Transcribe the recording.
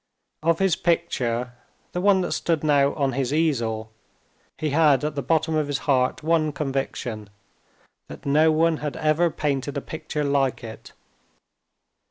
Of his picture, the one that stood now on his easel, he had at the bottom of his heart one conviction—that no one had ever painted a picture like it.